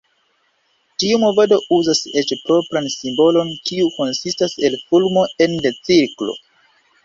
Tiu movado uzas eĉ propran simbolon, kiu konsistas el fulmo ene de cirklo.